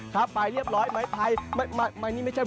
ครับไปเรียบร้อยไม้พลายไม่ไม้นี่ไม่ใช่